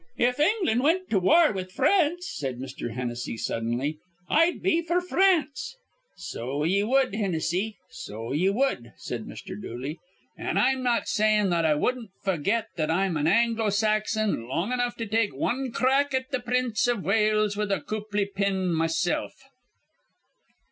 "If England wint to war with France," said Mr. Hennessy, suddenly, "I'd be f'r France." "So ye wud, Hinnissy. So ye wud," said Mr. Dooley. "An' I'm not sayin' that I wudden't f'aget that I'm an Anglo Saxon long enough to take wan crack at th' Prince iv Wales with a coupli' pin mesilf."